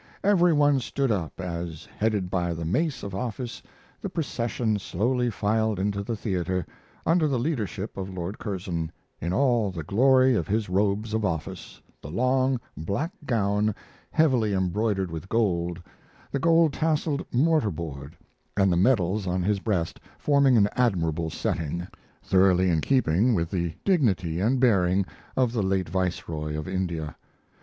Every one stood up as, headed by the mace of office, the procession slowly filed into the theater, under the leadership of Lord Curzon, in all the glory of his robes of office, the long black gown heavily embroidered with gold, the gold tasseled mortar board, and the medals on his breast forming an admirable setting, thoroughly in keeping with the dignity and bearing of the late Viceroy of India.